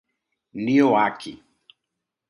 Nioaque